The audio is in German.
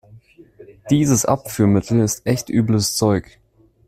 Dieses Abführmittel ist echt übles Zeug.